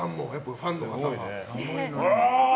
ファンの方が。